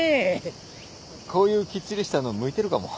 こういうきっちりしたの向いてるかも。